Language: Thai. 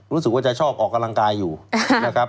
รู้สึกว่าจะชอบออกกำลังกายอยู่นะครับ